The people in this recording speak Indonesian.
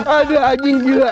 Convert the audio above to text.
aduh anjing juga